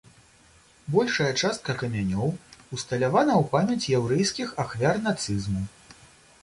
Большая частка камянёў усталявана ў памяць яўрэйскіх ахвяр нацызму.